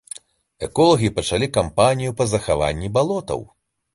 Эколагі пачалі кампанію па захаванні балотаў.